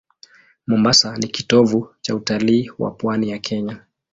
Mombasa ni kitovu cha utalii wa pwani ya Kenya.